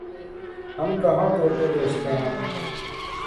ہم کہاں طوطے بیچتے ہیں